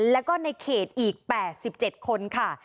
แล้วก็ในเขตอีก๘๗คนค่ะ